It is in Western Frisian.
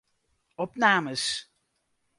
Opnames.